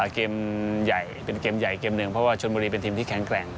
เกมใหญ่เป็นเกมใหญ่เกมหนึ่งเพราะว่าชนบุรีเป็นทีมที่แข็งแกร่ง